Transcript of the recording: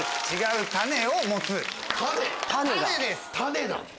「種」だ。